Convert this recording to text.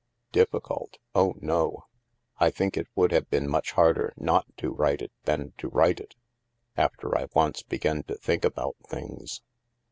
Difficult ? Oh, no I I think it would have been much harder not to write it than to write it, after I once began to think about things."